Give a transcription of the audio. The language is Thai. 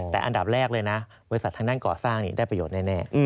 แต่อันดับแรกเลยนะบริษัททางด้านก่อสร้างได้ประโยชนแน่